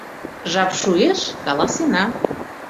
Жап шуэш — каласена.